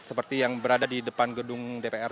seperti yang berada di depan gedung dpr